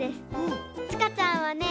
ちかちゃんはね